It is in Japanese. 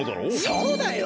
そうだよ！